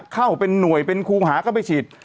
เข้าเป็นหน่วยเป็นครูหาเข้าไปฉีด